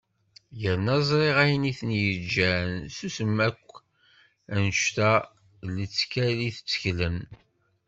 Yerna ẓriɣ ayen i ten-yeǧǧan susmen akk anect-a d lettkal i tteklen.